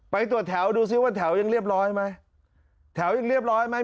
ไปตรวจแถวดูซิว่าแถวยังเรียบร้อยไหมแถวยังเรียบร้อยไหม